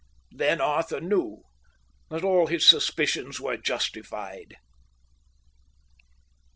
Then Arthur knew that all his suspicions were justified.